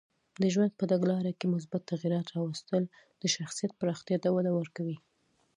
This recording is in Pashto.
د ژوند په تګلاره کې مثبت تغییرات راوستل د شخصیت پراختیا ته وده ورکوي.